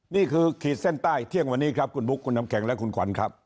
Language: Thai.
ขีดเส้นใต้เที่ยงวันนี้ครับคุณบุ๊คคุณน้ำแข็งและคุณขวัญครับ